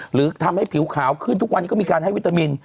หรือทำให้ผิวขาวขึ้นทุกวันนี้ก็มีการให้วิตามิน